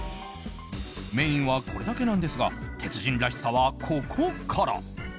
メインはこれだけなんですが鉄人らしさはここから。